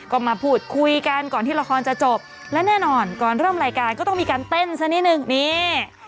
ก็มาพูดคุยกันก่อนที่ละครจะจบและแน่นอนก่อนเริ่มรายการก็ต้องมีการเต้นซะนิดนึงนี่